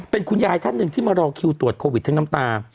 เป็นคุณยายท่านหนึ่งที่มารอคิวตรวจโควิดทั้งน้ำตา